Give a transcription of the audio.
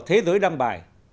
tờ thế giới đăng bài